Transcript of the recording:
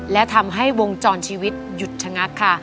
และทำให้วงจรชีวิตหยุดชะงักค่ะ